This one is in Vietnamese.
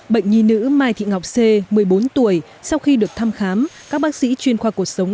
bệnh nhi nữ mai thị ngọc sê một mươi bốn tuổi sau khi được thăm khám các bác sĩ chuyên khoa cuộc sống